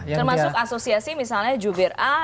termasuk asosiasi misalnya jubir a